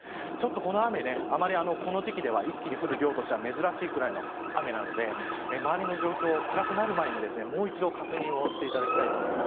この雨あまりこの時期では一気に降る量としては珍しいくらいなので周りの状況、暗くなる前にもう一度、確認をしてもらいたいと思います。